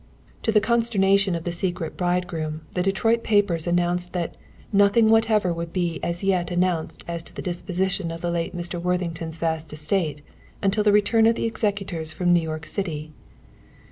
To the consternation of the secret bridegroom, the Detroit papers announced that "nothing whatever would be as yet announced as to the disposition of the late Mr. Worthington's vast estate," until the return of the executors from New York City.